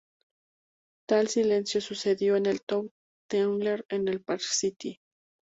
Tal silencio sucedió en el Tower Theater en el Park City.